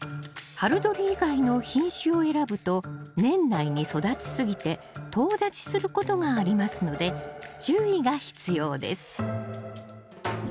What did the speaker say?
春どり以外の品種を選ぶと年内に育ち過ぎてとう立ちすることがありますので注意が必要です